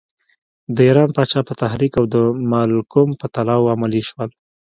د ایران پاچا په تحریک او د مالکم په طلاوو عملی شول.